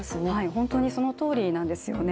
本当にそのとおりなんですよね。